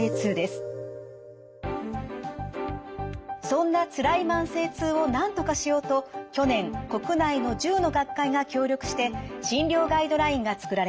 そんなつらい慢性痛をなんとかしようと去年国内の１０の学会が協力して診療ガイドラインが作られました。